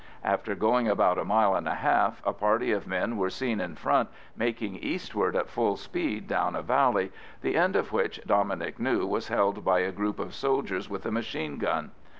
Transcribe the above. After going about a mile and a half a party of men were seen in front making eastward at full speed down a valley, the end of which Dominic knew was held by a group of soldiers with a machine gun.